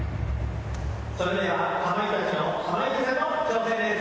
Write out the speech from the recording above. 「それではかまいたちの濱家さんの挑戦です」